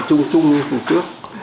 trung trung như phần trước